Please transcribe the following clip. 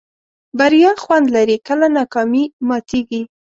بریا خوند لري کله ناکامي ماتېږي.